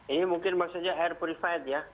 ini mungkin maksudnya air purified ya